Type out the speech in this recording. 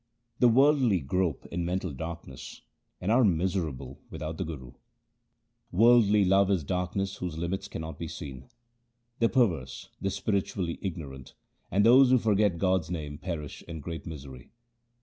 The worldly grope in mental darkness, and are miserable without the Guru :— Worldly love is darkness whose limits cannot be seen. The perverse, the spiritually ignorant, and those who forget God's name perish in great misery.